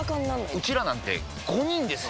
ウチらなんて５人ですよ！